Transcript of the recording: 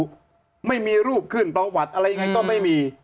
ใครก็ไม่รู้ไม่มีรูปขึ้นปรากฏอะไรยังไงก็ไม่มี